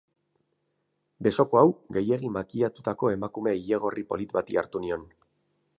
Besoko hau gehiegi makillatutako emakume ilegorri polit bati hartu nion.